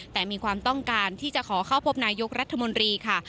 แต่มีความต้องการที่จะขอเข้าพบนายกรัฐมนตรีค่ะ